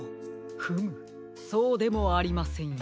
フムそうでもありませんよ。